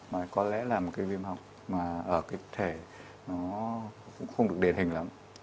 mà có lẽ là một cái viêm học mà ở cái thể nó cũng không được đền hình lắm